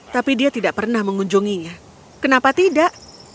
tapi dia tidak pernah mengunjunginya kenapa tidak